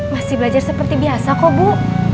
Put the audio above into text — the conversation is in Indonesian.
masih belajar seperti biasa kok bu